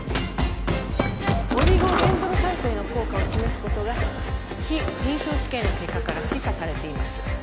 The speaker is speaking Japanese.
オリゴデンドロサイトへの効果を示すことが非臨床試験の結果から示唆されています